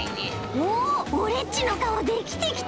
おおオレっちのかおできてきた！